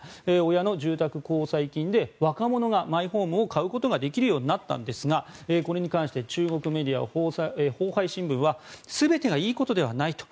親の住宅公積金で若者がマイホームを買うことができるようになったんですがこれに関して中国メディアのホウハイ新聞は全てがいいことではないと。